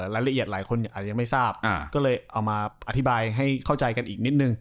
รายละเอียดหลายคนอาจจะยังไม่ทราบก็เลยเอามาอธิบายให้เข้าใจกันอีกนิดนึง